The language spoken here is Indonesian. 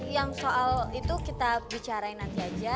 yang soal itu kita bicarain nanti aja